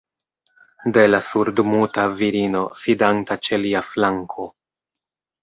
De la surdmuta virino, sidanta ĉe lia flanko.